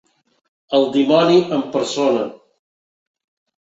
El dimoni en persona.